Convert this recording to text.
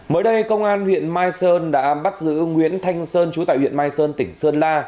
mới đây công an huyện mai sơn đã bắt giữ nguyễn thanh sơn chú tại huyện mai sơn tỉnh sơn la